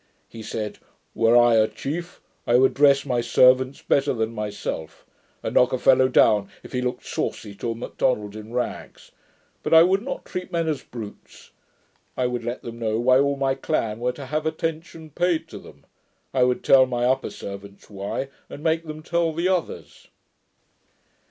He said, 'Were I a chief, I would dress my servants better than myself, and knock a fellow down if he looked saucy to a Macdonald in rags: but I would not treat men as brutes. I would let them know why all of my clan were to have attention paid to them. I would tell my upper servants why, and make them tell the others.'